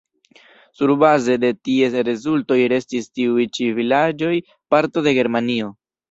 Surbaze de ties rezultoj restis tiuj ĉi vilaĝoj parto de Germanio.